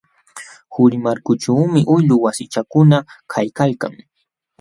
Qurimarkaćhuumi uylu wasichakuna kaykalkan.